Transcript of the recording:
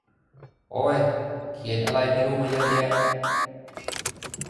โอ้ย เขียนอะไรไม่รู้มาเยอะแยะ